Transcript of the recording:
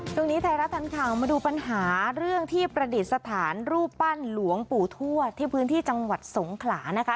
ไทยรัฐทันข่าวมาดูปัญหาเรื่องที่ประดิษฐานรูปปั้นหลวงปู่ทวดที่พื้นที่จังหวัดสงขลานะคะ